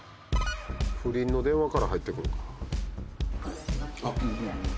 不倫の電話から入ってくるか。